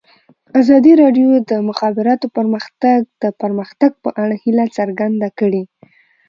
ازادي راډیو د د مخابراتو پرمختګ د پرمختګ په اړه هیله څرګنده کړې.